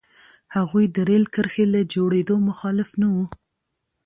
هغوی د رېل کرښې له جوړېدو مخالف نه وو.